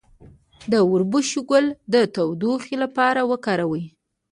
د وربشو ګل د تودوخې لپاره وکاروئ